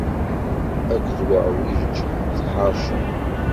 Akked wuɛwij, tḥeṛceḍ.